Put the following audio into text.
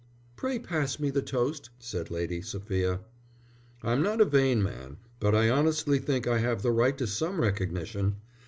"Pray pass me the toast," said Lady Sophia. "I'm not a vain man, but I honestly think I have the right to some recognition.